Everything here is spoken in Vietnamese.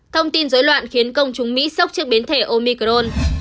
thông tin dối loạn khiến công chúng mỹ sốc trước biến thể omicron